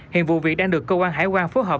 hiện vụ việc đang được cơ quan hải quan phối hợp